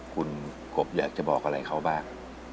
คุณกบอยากจะบอกอะไรเขาบ้าง